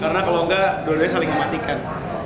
karena kalau enggak dua duanya saling mematikan